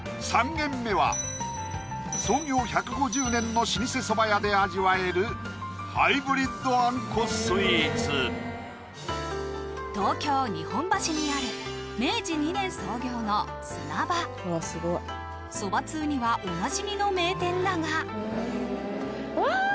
３軒目は創業１５０年の老舗そば屋で味わえるハイブリッドあんこスイーツ東京・日本橋にある明治２年創業の砂場そば通にはおなじみの名店だがわぁ！